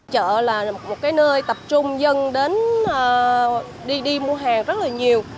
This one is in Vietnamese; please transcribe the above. chợ là một nơi tập trung dân đến đi mua hàng rất nhiều